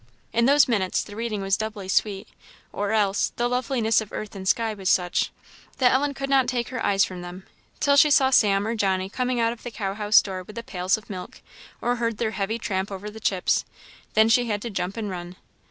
In those minutes the reading was doubly sweet; or else, the loveliness of earth and sky was such, that Ellen could not take her eyes from them, till she saw Sam or Johnny coming out of the cow house door with the pails of milk, or heard their heavy tramp over the chips then she had to jump and run.